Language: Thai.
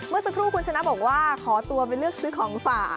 เมื่อสักครู่คุณชนะบอกว่าขอตัวไปเลือกซื้อของฝาก